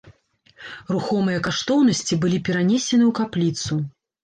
Рухомыя каштоўнасці былі перанесены ў капліцу.